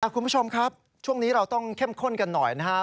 คุณผู้ชมครับช่วงนี้เราต้องเข้มข้นกันหน่อยนะครับ